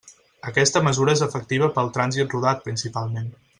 Aquesta mesura és efectiva per al trànsit rodat principalment.